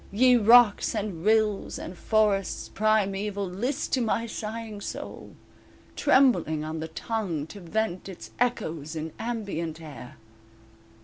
Ye rocks, and rills and forests primeval List to my sighing soul, trembling on the tongue To vent its echoes in ambient air.